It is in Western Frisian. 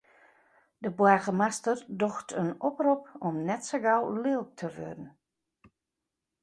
De boargemaster docht in oprop om net sa gau lilk te wurden.